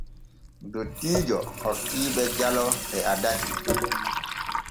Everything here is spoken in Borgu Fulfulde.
Dottiijo hokkiiɓe jalo e addahi.